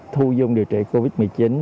thu dung điều trị covid một mươi chín